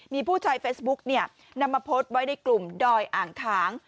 มีผู้ใช้เฟซบุ๊กนำมาโพสต์ไว้ในกลุ่มดอยอ่างขาง